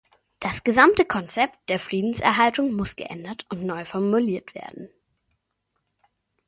Das gesamte Konzept der Friedenserhaltung muss geändert und neu formuliert werden.